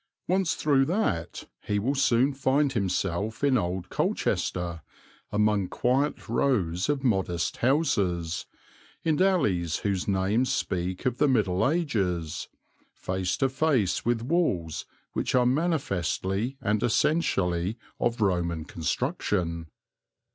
Once through that he will soon find himself in old Colchester, among quiet rows of modest houses, in alleys whose names speak of the Middle Ages, face to face with walls which are manifestly and essentially of Roman construction.